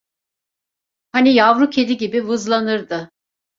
Hani yavru kedi gibi vızlanırdı.